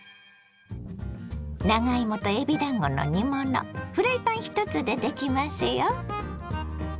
長芋とえびだんごの煮物フライパン１つでできますよ。